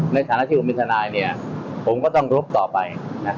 ในฐานะที่ผมเป็นทนายผมก็ต้องรบต่อไป